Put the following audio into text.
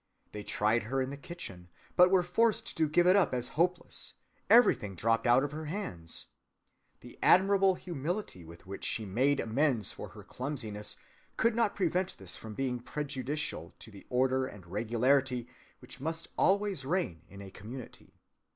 They tried her in the kitchen, but were forced to give it up as hopeless—everything dropped out of her hands. The admirable humility with which she made amends for her clumsiness could not prevent this from being prejudicial to the order and regularity which must always reign in a community.